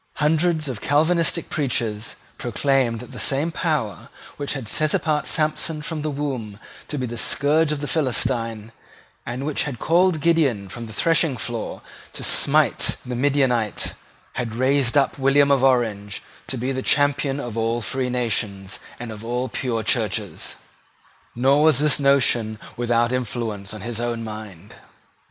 Hundreds of Calvinistic preachers proclaimed that the same power which had set apart Samson from the womb to be the scourge of the Philistine, and which had called Gideon from the threshing floor to smite the Midianite, had raised up William of Orange to be the champion of all free nations and of all pure Churches; nor was this notion without influence on his own mind.